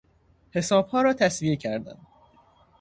حسابها را تسویه کردن